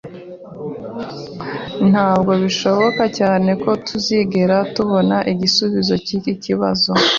Ntabwo bishoboka cyane ko tuzigera tubona igisubizo cyiki kibazo.